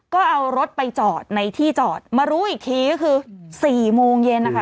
ก็เอารถไปจอดในที่จอดมารู้อีกทีก็คือสี่โมงเย็นนะคะ